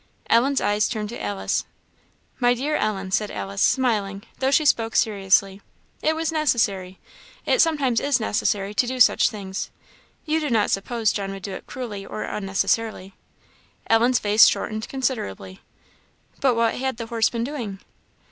Ellen's eyes turned to Alice. "My dear Ellen," said Alice, smiling, though she spoke seriously "it was necessary; it sometimes is necessary to do such things. You do not suppose John would do it cruelly or unnecessarily?" Ellen's face shortened considerably. "But what had the horse been doing?"